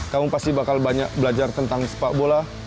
kamu pasti bakal banyak belajar tentang sepak bola